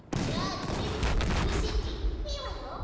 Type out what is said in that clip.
じゃあとれるところみせてよ。